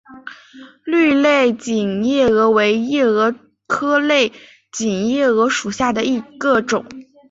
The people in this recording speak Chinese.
绿类锦夜蛾为夜蛾科类锦夜蛾属下的一个种。